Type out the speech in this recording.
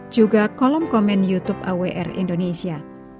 juga kolom komen youtube awr indonesia